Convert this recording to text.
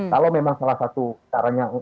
kalau memang salah satu caranya untuk